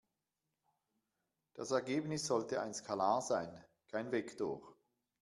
Das Ergebnis sollte ein Skalar sein, kein Vektor.